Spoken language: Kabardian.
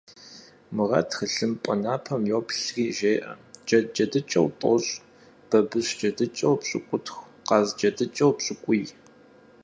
Мурат, тхылъымпӀэ напэм йоплъри, жеӀэ: Джэд джэдыкӀэу тӀощӀ, бабыщ джэдыкӀэу пщыкӀутх, къаз джэдыкӀэу пщыкӀуий.